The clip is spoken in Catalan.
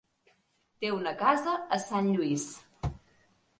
Té una casa a Sant Lluís.